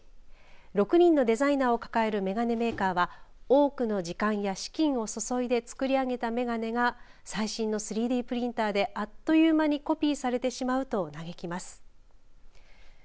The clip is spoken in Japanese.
６人のデザイナーを抱える眼鏡メーカーは多くの時間や資金をそそいで作り上げたメガネが最新の３Ｄプリンターであっという間にコピーされてしまうと嘆きます。